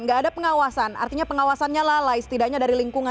nggak ada pengawasan artinya pengawasannya lalai setidaknya dari lingkungan